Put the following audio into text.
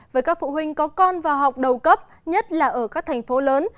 với các phụ huynh có con vào học đầu cấp nhất là ở các thành phố lớn